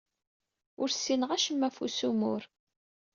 Ur ssineɣ acemma ɣef usummur.